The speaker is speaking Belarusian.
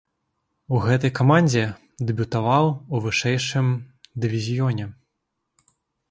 У гэтай камандзе дэбютаваў у вышэйшым дывізіёне.